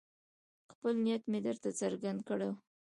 خپل نیت مې درته څرګند کړی وو.